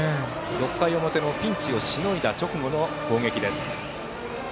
６回の表のピンチをしのいだ直後の攻撃です。